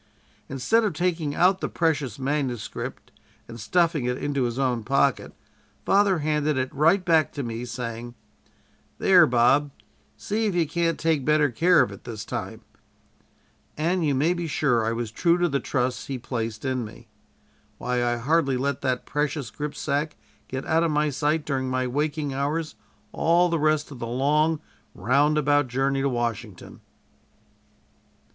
"Instead of taking out the precious manuscript and stuffing it into his own pocket, father handed it right back to me, saying: "'There, Bob, see if you can't take better care of it this time' and you may be sure I was true to the trust he placed in me. Why, I hardly let that precious gripsack get out of my sight during my waking hours all the rest of the long roundabout journey to Washington."